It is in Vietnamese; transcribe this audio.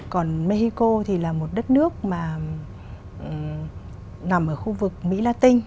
còn mexico thì là một đất nước mà nằm ở khu vực mỹ latin